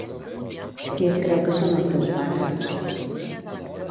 Qui es creu que són els seus pares?